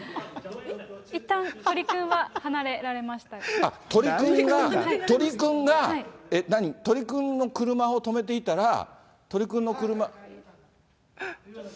いったん、あっ、鳥くんが、鳥くんが、何？鳥くんの車を止めていたら、鳥くんの車。